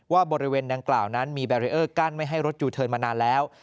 ว่าบริเวณดังกล่าวนั้นมีแบรีเออร์กั้นไม่ให้รถยูเทิร์นมานานแล้ว